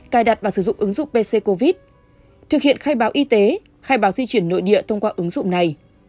cài đặt và sử dụng ứng dụng pc covid thực hiện khai báo y tế khai báo di chuyển nội địa thông qua ứng dụng này